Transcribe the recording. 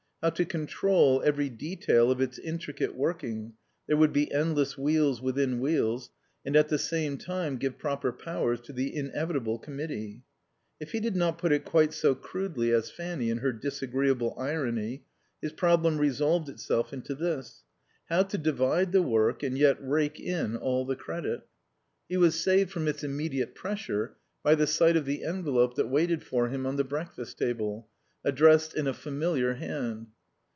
How to control every detail of its intricate working (there would be endless wheels within wheels), and at the same time give proper powers to the inevitable Committee? If he did not put it quite so crudely as Fanny in her disagreeable irony, his problem resolved itself into this: How to divide the work and yet rake in all the credit? He was saved from its immediate pressure by the sight of the envelope that waited for him on the breakfast table, addressed in a familiar hand.